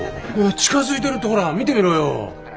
近づいてるってほら見てみろよ。